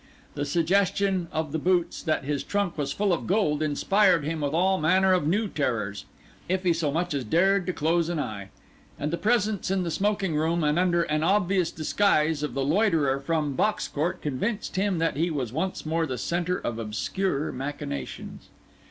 The suggestion of the boots that his trunk was full of gold inspired him with all manner of new terrors, if he so much as dared to close an eye; and the presence in the smoking room, and under an obvious disguise, of the loiterer from Box Court convinced him that he was once more the centre of obscure machinations.